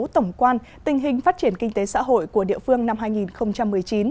tổng quan tình hình phát triển kinh tế xã hội của địa phương năm hai nghìn một mươi chín